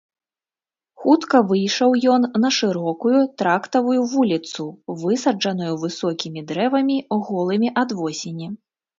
Хутка выйшаў ён на шырокую трактавую вуліцу, высаджаную высокімі дрэвамі, голымі ад восені.